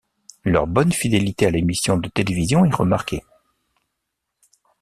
Leur bonne fidélité à l'émission de télévision est remarquée.